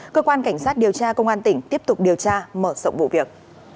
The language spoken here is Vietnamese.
cơ quan cảnh sát điều tra công an tỉnh tiếp tục điều tra mở rộng vụ việc